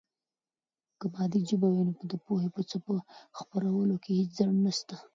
که مادي ژبه وي، نو د پوهې په خپرولو کې هېڅ خنډ نسته.